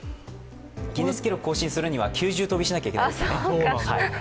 ギネス世界記録更新するには９重跳びしなきゃいけない。